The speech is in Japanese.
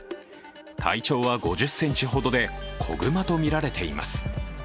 体長は５０ｃｍほどで子熊とみられています。